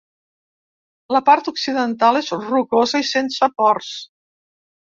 La part occidental és rocosa i sense ports.